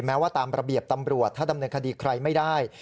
แม้ว่าตามระเบียบตำรวจถ้าดำเนินคดีใครไม่ได้